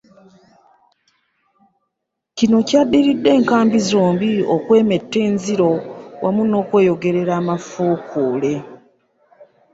Kino kyaddiridde enkambi zombi okwemetta enziro wamu n’okweyogerera amafuukuule.